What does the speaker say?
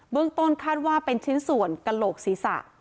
เรื่องต้นคาดว่าเป็นชิ้นส่วนกระโหลกศีรษะ